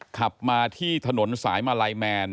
ขับมาที่ถนนสายมาลัยแมน